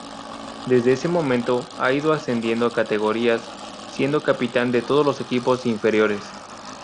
Desde ese momento, ha ido ascendiendo categorías, siendo capitán de todos los equipos inferiores.